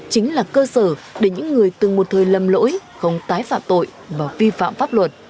chính là cơ sở để những người từng một thời lầm lỗi không tái phạm tội và vi phạm pháp luật